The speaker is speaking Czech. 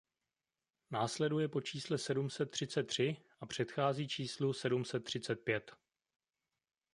Následuje po čísle sedm set třicet tři a předchází číslu sedm set třicet pět.